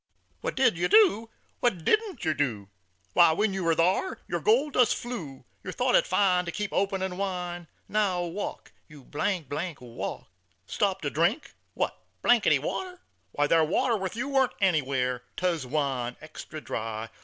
"What did yer do? What didn't yer do? Why, when ye war thar, yer gold dust flew, Yer thought it fine to keep op'nin' wine. Now walk, you , walk. "Stop to drink? What water? Why, thar Water with you warn't anywhere. 'Twas wine, Extra Dry.